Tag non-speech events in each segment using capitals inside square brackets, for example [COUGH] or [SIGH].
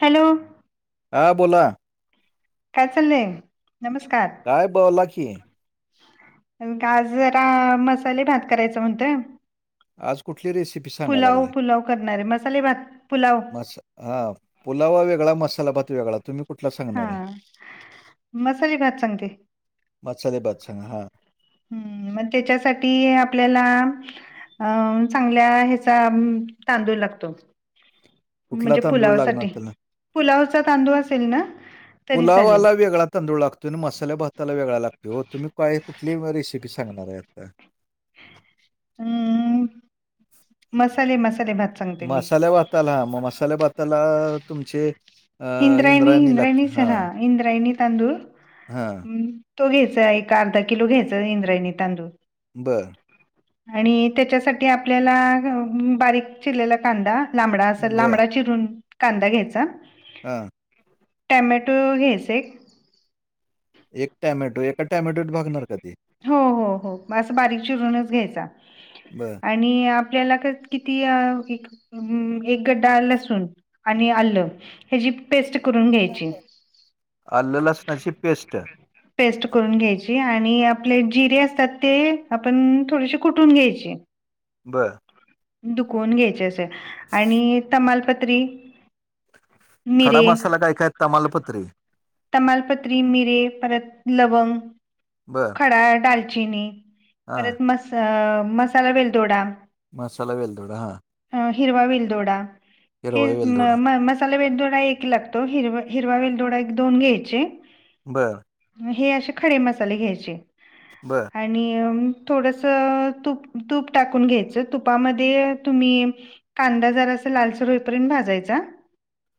Hello. आ बोला. काय चाललंय नमस्कार. काय बोला की. आज जरा मसाले भात करायचा म्हणतोय. आज कुठली रेसिपी सांगायला पुलाव लागलाय? पुलाव करणाराय मसाले भात पुलाव. हा पुलावा वेगळा मसाला भात वेगळा तुम्ही कुठला हा सांगणार आहे? मसाले भात सांगते. मसाले भात सांगा. हां, हम्म म त्याच्यासाठी आपल्याला अं चांगल्या ह्याचा तांदूळ लागतो. कुठला म्हणजे तांदूळ लागणार पुलावसाठी त्याला? पुलावचा तांदूळ असेल ना? तरी पुलाव चालेल वाला वेगळा तांदूळ लागतो आणि मसाले भाताला वेगळा लागतोय ओ तुम्ही काय कुठली रेसिपी सांगणार हाय आत्ता? हम्म- मसालेे मसाले भात. सांगते मी मसाल्या भाताला म मसाल्या भाताला तुमचे अ -इंद्रायणी लागत हा. इंद्रायणी तांदुळ हा. तो घ्यायचा एक अर्धा किलो घ्यायचा इंद्रायणी तांदूळ. बरं. आणि त्याच्यासाठी आपल्याला बारीक चिरलेला कांदा लांबडा अस बरं. लांबडा चिरून कांदा घ्यायचा. हा. टॅमॅटो घ्यायचा एक. एक टॅमॅटोत एका टॅमॅटोत भागणार का ते? हो हो हो बास बारीक चिरूनच घ्यायचा. बरं. आणि आपल्याला किती एक गड्डा लसूण आणि आलं ह्याजी पेस्ट करून घ्यायची. आलं लसणाची पेस्ट पेस्ट करून घ्यायची आणि आपले जिरे असतात ते आपण थोडेशे कुठून घ्यायचे. ब दुखवून घ्यायचे असे आणि तमालपत्री खडा मिरे मसाला काय काय तमालपत्री तमालपत्री, मिरी परत लवंग बरं परा दालचिनी परत मस मसाला वेलदोडा मसाला वेलदोडा हा अ हिरवा विलदोडा हे हिरवा म वेलदोडा म मसाले साला वेलदोडा एक लागतो. हिरव हिरवा वेलदोडा एक- दोन घ्यायचे. बरं हे असे खडे मसाले घ्यायचे. ब आणि थोडंसं तूप तूप टाकून घ्यायचं तुपामध्ये तुम्ही कांदा जरास लालसर होईपर्यंत भाजायचा.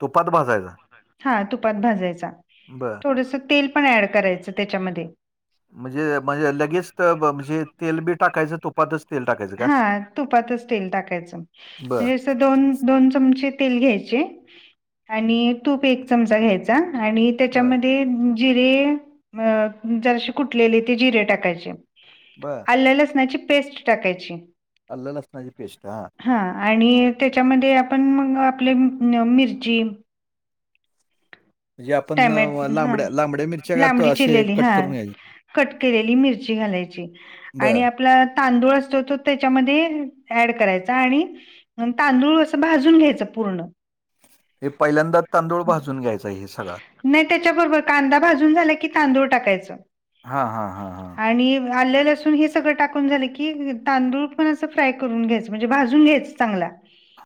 तुपात भाजायचा हा तुपात भाजायचा. बरं थोडस तेल पण ऍड करायचं त्याच्यामध्ये म्हणजे म्हणजे लगेच त ब- म्हणजे तेल बी टाकायचं तुपातच तेल टाकायचं का हा तुपातच तेल टाकायचं बर म्हणजे असं दोन दोन चमचे तेल घ्यायचे आणि तूप एक चमचा घ्यायचा आणि बर त्याच्यामध्ये जिरे अ जराशे कुटलेले ते जिरे टाकायचे. ब आले लसणाची पेस्ट टाकायची. आलं लसणाची पेस्ट हा हा आणि त्याच्यामध्ये आपण मंग आपले मिरची म्हणजे आपण टोमॅट अ, हा लांबड्या लांबड्या मिरच्या का तो लांबडी असे चिरलेली कट हा करून घ्यायचे कट केलेली मिरची घालायची बर आणि आपला तांदूळ असतो तो त्याच्यामध्ये ऍड करायचा आणि अनं तांदूळ असं भाजून घ्यायचं पूर्ण हे पहिल्यांदा तांदूळ भाजून घ्यायचं दही सगळा नाय त्याच्याबरोबर कांदा भाजून झाला की तांदूळ टाकायचं. हा हा हा हा आल्ल लसूण हे सगळं टाकून झालं की तांदूळ पण असं फ्राय करून घ्यायच म्हणजे भाजून घ्यायचं चांगला.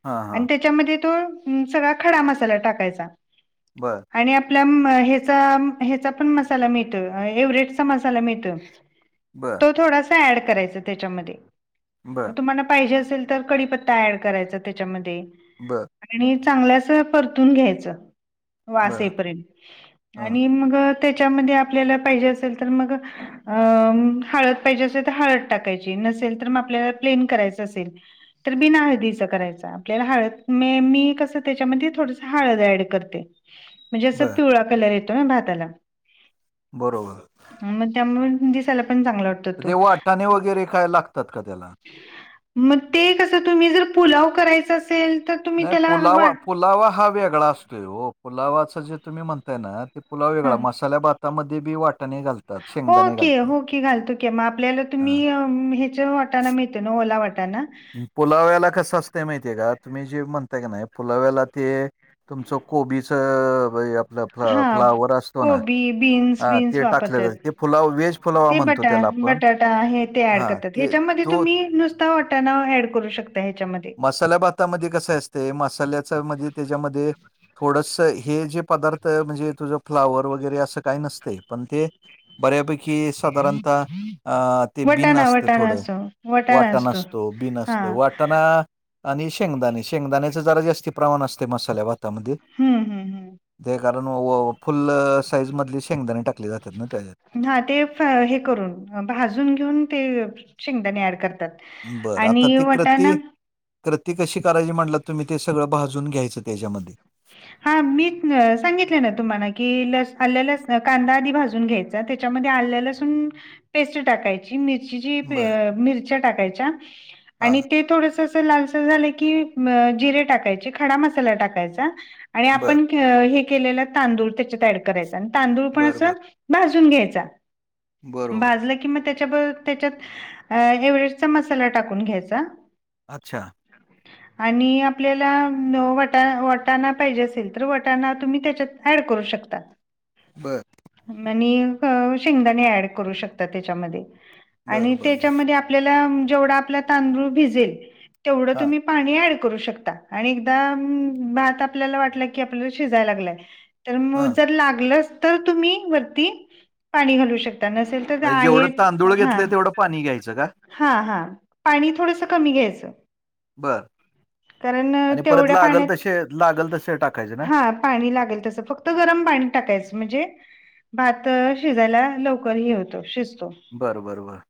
हा हा आणि त्याच्यामध्ये तो हूं सगळा खडा मसाला टाकायचा. बरं आणि आपल्या मं ह्याचा ह्याचा पण मसाला मिळतो. एव्हरेटचा मसाला मिळत. [INAUDIBLE] बर थोडासा ॲड करायचा त्याच्यामध्ये बर मं तुमाना पायजे असल तर कडिपत्ता ऍड करायचा त्याच्यामध्ये बरं आणि हे चांगल असं परतून घ्यायचं. वास बर येई पर्यंत हा आणि मग त्याच्यामध्ये आपल्याला पाहिजे असेल तर मग अ हळद पाहिजे असेल तर हळद टाकायची नसेल तर म आपल्याला प्लेन करायचं असेल तर बिन हळदीच करायचं आपल्याला हळद मी कसं त्याच्यामध्ये थोडंसं हळद ऍड करते. म्हणजे असं बर पिवळा कलर येतो ना भाताला बरोबर मग त्यामुळे दिसायला पण चांगलं वाटतं ते वाटाणे वगैरे काय लागतात का त्याला? मग ते कसं तुम्ही जर पुलाव करायच असेल तर तुम्ही नाही त्याला पुलावा वाट पुलावा हा वेगळा असतोय पुलावाच जे तुम्ही म्हणताय ना ते पुलाव हा वेगळा मसाल्या भातामध्ये बी वाटतं हो की हो की घालतो कीमग आपल्याला तुम्ही हा वाटना मिळत ना ओला वाटाना पुलाव्याला कसं असं माहितीय का तुम्ही जे म्हणताय का नाही पुलाव्याला ते तुमचं कोबीच हा कोबी बीन्स हा बीन्स ते टाकलेलं वापरतात. ते फुलाव व्हेज फुलावा ते म्हणतो बटा त्याला आपण बटाटा आहे ते ऍड हा करतात ते ह्याच्यामध्ये तो तुम्ही नुसतं वाटणा ऍड करू शकता ह्याच्यामध्ये मसाल्या भातामध्ये कसं असते मसाल्याच मध्ये त्याच्यामध्ये थोडस हे जे पदार्थ म्हणजे तुझं फ्लावर वगैरे असं काही नसते पण ते बऱ्यापैकी साधारणत अ ते बिन वटाणा असतं वटाणा थोडं असतो वटाणा वाटण असतो बिन हा असतो वाटणा आणि शेंगदाणे शेंगदाण्याचं जरा जास्त प्रमाण असते मसाल्या भातामध्ये हम्म हम्म हम्म ते कारण फुल साईज मधले शेंगदाणे टाकले जातात ना त्याच्यात हा ते हे करून भाजून घेऊन ते शेंगदाणे ऍड करतात. आणि वाटाणा? तर कशी करायची म्हणला तुम्ही ते सगळं भाजून घ्यायचं त्याच्यामध्ये हा मी सांगितलं ना तुम्हाला की लस आल्या लसण कांदा आधी भाजून घ्यायचं त्याच्या मधे आल्ल लसून पेस्ट टाकायची मिर्चीच बर मिरच्या टाकायच्या हा आणि ते थोडंस लालसर झाल की जीरे टाका खडा मसाला टाकायचा आणि बर आपण हे केलेलं तांदूळ त्याच्यात ऍड करायचा आणि तांदूळ पण बर अस बर भाजून घ्यायचा. बरोबर. भाजला किंवा त्याच्याबरोबर त्याच्यात एव्हरेस्टचा मसाला टाकून घ्यायचा. अच्छा आणि आपल्याला वटा वटाणा पायजेे असेल तर वटाणा तुम्ही त्याच्यात ऍड करू शकता. बरं शेंगदाणे ऍड करू शकता त्याच्यामध्ये आणि बरं, बरं, बरं. त्याच्यामध्ये आप आपल्याला जेवढा आपला तांदूळ भिजेल तेवढं हां, तुम्ही पाणी ऍड करू शकता. आणि एकदा भात आपल्याला वाटलं की आपल्याला शिजायला लागलाय तर मग हां. जर लागलंच तर तुम्ही वरती पाणी घालू शकता नसेल. तर म्हणजे आहे जेवढं तांदूळ हा घेतलंय तेवढं पाणी घ्यायचं का? हा हा पाणी थोडंसं कमी घ्यायचं. बर कारण अ, आणि परत तेवढ्या लागल पाण्यात तसे लागल तसे टाकायचे ना हा पाणी लागेल तसं फक्त गरम पाणी टाकायचं म्हणजे भात शिजायला लवकर हे होतो शिजतो. बरं बर बर.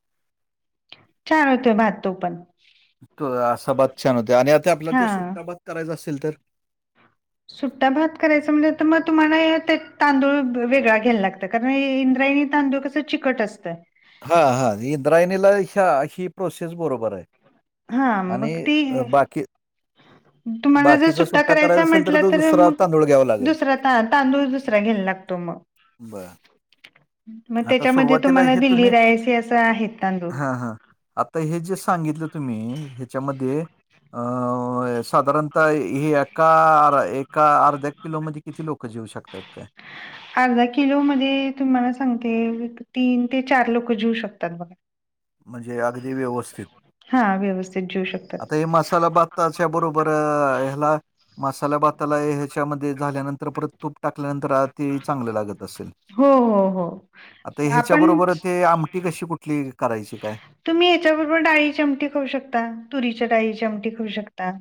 छान होतोय भात तो पण. त असा भात छान होतोय. आणि आता आपल्याला ते हां. सुट्टा भात करायचा असेल तर? सुट्टा भात करायचा म्हंटलं तर मग तुम्हाला ते तांदूळ वेगळा घ्यायला लागतात. कारण इंद्रायणी तांदूळ कसं चिकट असतं. हा हा. इंद्रायणीला अ ही प्रोसेस बरोबर आहे. हा. आणि मग अ, ती- बाकी तुम्हाला जर बाकीचा सुट्टा करायचा असेल म्हटलं तो तर, दुसरा मग तांदूळ घ्यावा लागेल. दुसरा तांदूळ दुसरा घ्यायला लागतो. तुम- बरं. मग आता त्याच्यामध्ये सुरुवातीला तुम्हाला हे दिल्ली तुम्ही राईस हे असं आहेत तांदूळ. आत्ता हे जे सांगितलं तुम्ही ह्याच्यामध्ये- अ. साधारणतः हे एका एका अर्ध्या किलोमध्ये किती लोकं जेऊ शकतात? त्यात काय? अर्धा किलो मध्ये तुम्हाला सांगते. तीन ते चार लोकं जेवू शकतात बघा. म्हणजे अगदी व्यवस्थित. हा व्यवस्थित जेवू शकतात. आता हे मसाला भाताच्या बरोबर ह्याला मसाला भाताला- त्यामध्ये झाल्यानंतर परत तूप टाकल्यानंतर ते चांगलं लागत असेल? हो हो हो. आता ह्याच्या आपण बरोबर ते आमटी कशी कुठली करायची काय? तुम्ही याच्याबरोबर डाळीची आमटी खाऊ शकता. तुरीच्या डाळीची आमटी खाऊ शकता.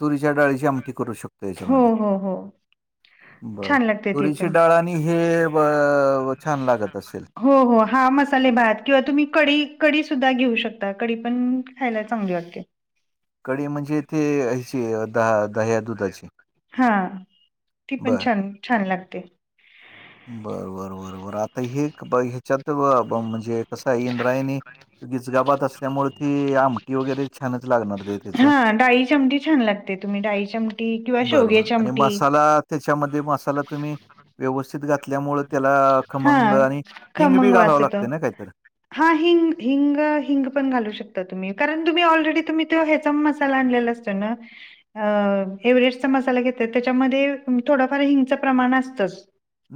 तुरीच्या डाळीची आमटी करू शकतो हो याच्यामध्ये. हो हो बर. छान लागते ती तुरीची पण डाळ आणि हे ब छान लागत असेल? हो हो. हा मसाले भात किंवा तुम्ही कढी कढी सुुद्धा घेऊ शकता. कढी पण खायला चांगली वाटते. कढी म्हणजे ते ह्याची दहा दह्या दुधाची? हा. ती पण बर. छान छान लागते. बर बर बर बर. आता हे ह्याच्यात म्हणजे कसं आहे? इंद्रायणी- गिचगा भात असल्यामुळे ती आमटी वगैरे- छानच लागणार ते त्याचं. हा. डाळीची आमटी छान लागते. तुम्ही डाळीची आमटी किंवा बरोबर शेवग्याची आणि आमटी- मसाला त्याच्यामध्ये मसाला तुम्ही व्यवस्थित घातल्यामुळे त्याला- हा खमंग आणि हिंग बी खमंग घालावं वास येतो. लागते ना काहीतर? हा. हिंग हिंग हिंग पण घालू शकता तुम्ही. कारण तुम्ही ऑलरेडी तुम्ही त्यो ह्याचा मसाला आणलेला असतो. पण ना - हो. एव्हरेस्टचा मसाला घेतात त्याच्यामध्ये थोडंफार हिंगचं प्रमाण असतंच.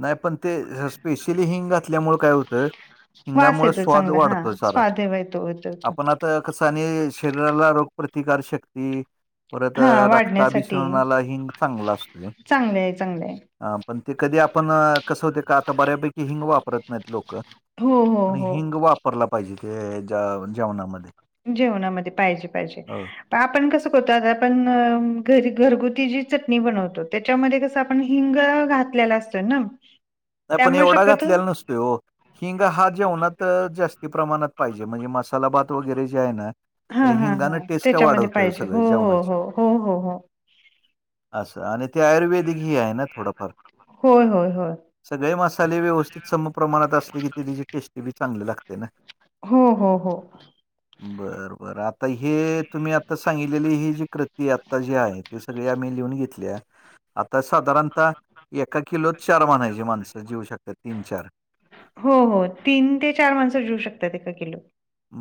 नाही पण ते स्पेशली हिंग घातल्यामुळे काय होतय - वास हिंगामुळे येतो स्वाद चांगला हा वाढतोय सारा. स्वाद हवा येतो होतो तो आपण आता- कसं आणि शरीराला रोग प्रतिकारक शक्ती- परत हा वाढण्यासाठी रक्ताभिसरणाला हिंग चांगला असतोय. चांगलं आहे चांगलं आहे अ पण ते कधी आपण कसं होते का आता बऱ्यापैकी हिंग वापरत नाहीत लोकं. हो हो आणि हो हिंग वापरला पाहिजे ते जेवणामध्ये. जेवणामध्ये पाहिजे पाहिजे. हो. आपण कसं करतो? आता आपण घरी घरगुती जी चटणी बनवतो त्याच्यामध्ये कस? ण हिंग घातलेला असतोय ना? नाही पण त्यामुळे एवढा शक्यतो घातलेला नसतो. त हिंग हा जेवणात जास्ती प्रमाणात पाहिजे. म्हणजे मसाला भात वगैरे जे आहे ना? हा हा हा हिंगण टेस्टं त्याच्यामध्ये वाढवंत पाहिजे सगळं हो जेवणांची हो हो हो हो हो असं आणि ते आयुर्वेदिक ही आहे नां थोडंफार होयं होयं होयं सगळें मसाले व्यवस्थित समं प्रमाणांत असले की ते तिची टेस्टी बी चांगली लागते नां हंम हंम हंम बरं बरं आंता हे तुम्हीं आंता सांगितलेली ही जी कृती आंता जी आहे ते सगळें आम्हीं लिहूंन घेतल्यां आंता साधारणतः एकां किलोतं चार म्हणायचे जे माणसं जेवूं शकतांत तीनं चार हो हो तीनं ते चार माणसं जिऊं शकतांत एकां किलो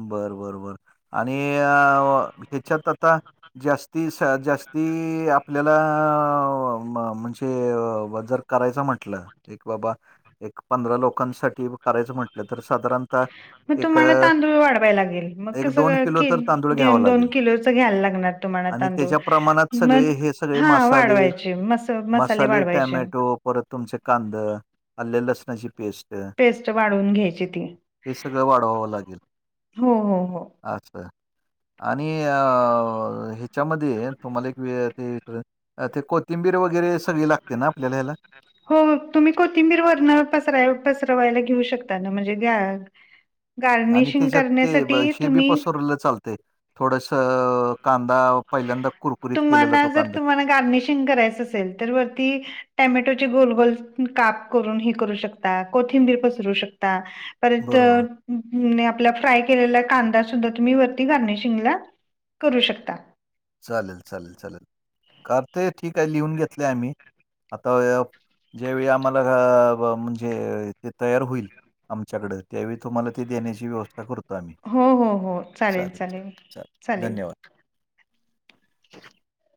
बरं बरं बरं आणि अं ह्यांच्यात आंता जांस्ती जांस्ती आपल्यांला म्हणजे जरं बदल करायच म्हंलं एक बाबां एक पंधरा लोकांसाठी बदल करायचं म्हंटलं तरं साधारणतः एक तरं वाढवांय लागेल मं एक दोन किलो तरं तांदूळ घ्यांवा लागेल घ्यायला लागणार तुम्हाला आणि तांदूळ त्यांच्या प्रमाणांत सगळें हे मग सगळें हा मसाले वाढवायचे मस मसाले वाढवायचे टोमॅटो परंत तुंमचे कांदा आंल्या लसणांची पेस्ट पेस्ट वाढूंन घ्यांयची ती हे सगळं वाढवावं लागेल हो हो हो असं आणि अं ह्यांच्यामध्यें तुम्हांला एक व ते अं ते कोथिंबीर वगैरें सगळीं लागते नां आपल्यांला ह्यांला हो तुम्हीं कोथिंबीर वर्ण पसरां पसरवांयला घेऊं शकतांत नां म्हणजे घॅग आणि त्यांच्यात ते शेबी तुम्ही पसरलं चालते थोडेसे कांदा पहिल्यांदा कुरकुर तुम्हांला जरं तुम्हांला गार्निशिंग करायचं असेल तरं वरती टॅमॅटोचे गोलगोल कांप करूंन हे करूं शकतां कोथिंबीर पसरूं शकतां परंत बरोबर. अं आपलां फ्राय केलेला कांदा सुद्धां तुम्हीं वरती गार्निशिंगला करूं शकतां चालेल चालेल चालेल करते ठीक आहे लिहूंन घेतले आम्हीं आंता ज्यांवेळी आम्हांला म्हणजे ते तयार होईल आमच्यांकडं त्यांवेळी तुम्हांला ते देण्यांची व्यवस्थां करतों हो हो हो चालेल चालेल चालेल रिकां मां आहे